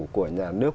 của nhà nước